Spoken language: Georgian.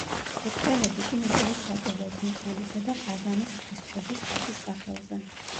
ეგვტერები კი ნიკოლოზ საკვირველთმოქმედისა და ყაზანის ღვთისმშობლის ხატის სახელზე.